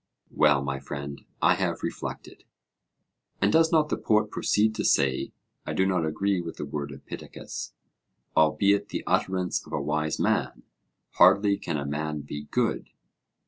Well, my friend, I have reflected. And does not the poet proceed to say, 'I do not agree with the word of Pittacus, albeit the utterance of a wise man: Hardly can a man be good'?